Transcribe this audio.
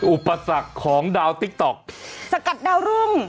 อุปสรรคของดาวติ๊กต๊อกสกัดดาวรุ่ง